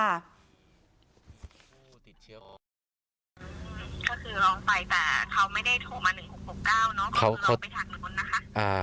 ก็คือลองไปแต่เขาไม่ได้โทรมา๑๖๖๙เนอะ